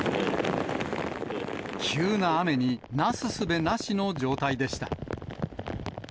急な雨に、なすすべなしの状態でした。